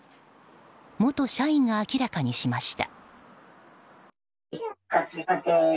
元社員が明らかにしました。